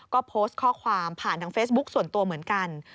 ก็โพสต์ข้อความผ่านทางเฟซบุ๊คส่วนตัวเหมือนกัน